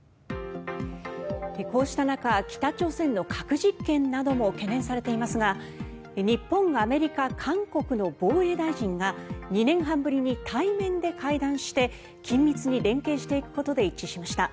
こうした中北朝鮮の核実験なども懸念されていますが日本、アメリカ、韓国の防衛大臣が２年半ぶりに対面で会談して緊密に連携していくことで一致しました。